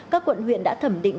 các quận huyện đã thẩm định